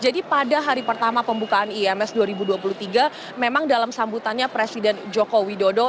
jadi pada hari pertama pembukaan ims dua ribu dua puluh tiga memang dalam sambutannya presiden joko widodo